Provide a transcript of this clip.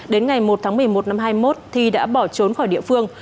đến ngày một tháng một mươi một năm hai nghìn một mươi một thi đã bỏ trốn khỏi địa phương